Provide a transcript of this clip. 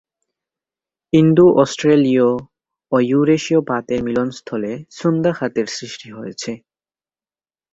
ইন্দো-অস্ট্রেলীয় ও ইউরেশীয় পাতের মিলনস্থলে সুন্দা খাতের সৃষ্টি হয়েছে।